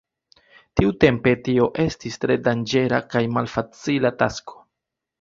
Tiutempe tio estis tre danĝera kaj malfacila tasko.